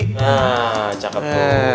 nah cakep tuh